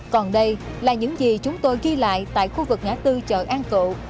còn đây là những gì chúng tôi ghi lại tại khu vực ngã tư chợ an cộ